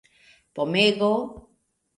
pomego